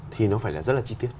thì nó phải là rất là chi tiết